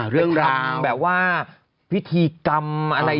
ไปทำแบบว่าพิธีกำอะไร